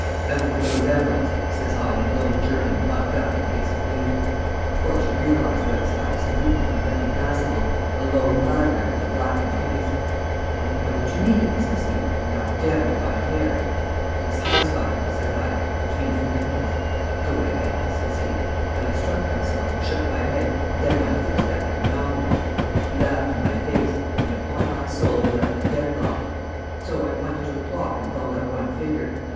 'Out with those emeralds,' says I in low German mugged up in case of need. Of course you realise that I was absolutely unrecognisable, a low blackguard with a blackened face. 'I don't know what you mean,' says he, 'and I'm damned if I care.' 'Das halsband, says I, which means the necklace. 'Go to hell,' says he. But I struck myself and shook my head and then my fist at him and nodded. He laughed in my face; and upon my soul we were at a deadlock. So I pointed to the clock and held up one finger.